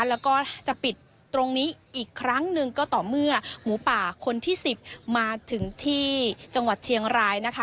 แล้วก็จะปิดตรงนี้อีกครั้งหนึ่งก็ต่อเมื่อหมูป่าคนที่๑๐มาถึงที่จังหวัดเชียงรายนะคะ